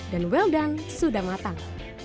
dan well done sudah matang